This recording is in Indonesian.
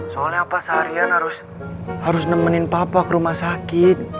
soalnya pak seharian harus nemenin papa ke rumah sakit